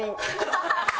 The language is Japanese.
ハハハハ！